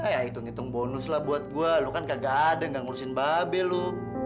ya hitung hitung bonus lah buat gue lo kan gak ada gak ngurusin mba be lo